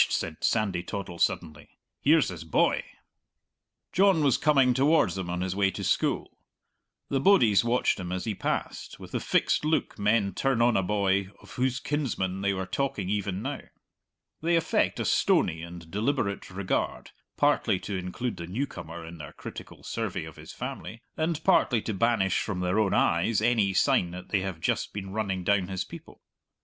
said Sandy Toddle suddenly; "here's his boy!" John was coming towards them on his way to school. The bodies watched him as he passed, with the fixed look men turn on a boy of whose kinsmen they were talking even now. They affect a stony and deliberate regard, partly to include the newcomer in their critical survey of his family, and partly to banish from their own eyes any sign that they have just been running down his people.